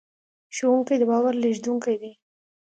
ښوونکي د باور لېږدونکي دي.